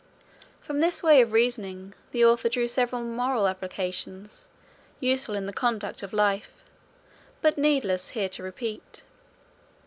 From this way of reasoning, the author drew several moral applications, useful in the conduct of life, but needless here to repeat.